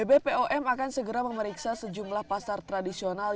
bpom akan segera memeriksa sejumlah pasar tradisional